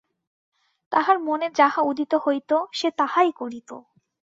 তাহার মনে যাহা উদিত হইত, সে তাহাই করিত।